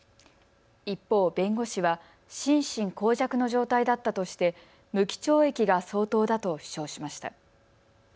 一方、弁護士は心神耗弱の状態だったとして無期懲役が相当だと主張しました。